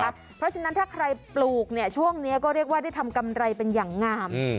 เพราะฉะนั้นถ้าใครปลูกเนี่ยช่วงนี้ก็เรียกว่าได้ทำกำไรเป็นอย่างงาม